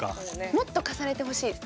もっと重ねてほしいです。